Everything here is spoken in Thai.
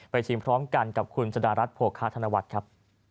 ไปชิมพร้อมกันกับคุณสนารัทธ์โภคฮาธนวัตรครับ